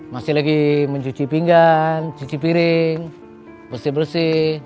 masih lagi mencuci pinggan cuci piring bersih bersih